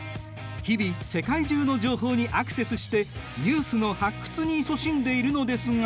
日々世界中の情報にアクセスしてニュースの発掘にいそしんでいるのですが。